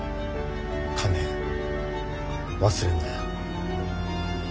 金忘れるなよ。